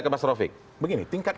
ke mas rofik begini tingkat